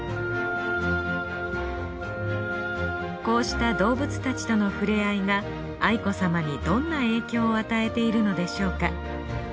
こうした動物たちとのふれあいが愛子さまにどんな影響を与えているのでしょうか？